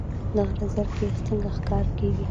د غره زرکې څنګه ښکار کیږي؟